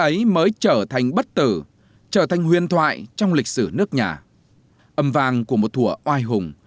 ấy mới trở thành bất tử trở thành huyền thoại trong lịch sử nước nhà âm vàng của một thủa oai hùng